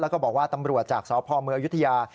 แล้วก็บอกว่าตำรวจจากสพเมืองอยุธยา